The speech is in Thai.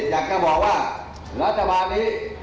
อยากจะบอกว่ารัฐบาลนี้